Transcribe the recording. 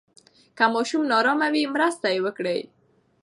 که ماشوم نا آرامه وي، مرسته یې وکړئ.